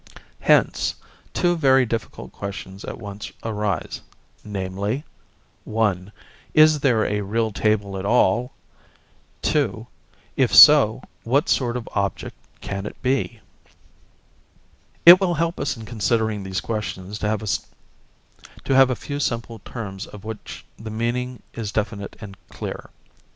Hence, two very difficult questions at once arise; namely, (1) Is there a real table at all? (2) If so, what sort of object can it be? It will help us in considering these questions to have a few simple terms of which the meaning is definite and clear.